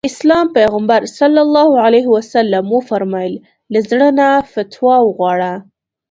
د اسلام پيغمبر ص وفرمايل له زړه نه فتوا وغواړه.